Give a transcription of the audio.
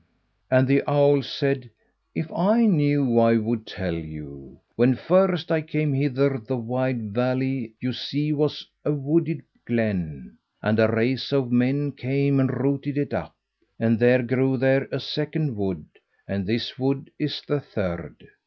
And the owl said, "If I knew I would tell you. When first I came hither, the wide valley you see was a wooded glen. And a race of men came and rooted it up. And there grew there a second wood, and this wood is the third.